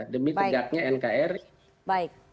demi tegaknya nkri